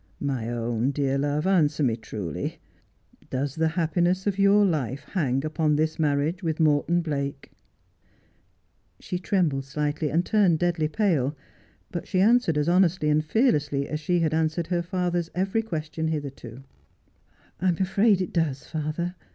'My own dear love, answer me truly. Does the happiness of your life hang upon this marriage with Morton Blake 1 ' She trembled slightly, and turned deadly pale, but she answered as honestly and fearlessly as she had answered her father's every question hitherto :' I'm afraid it does, father.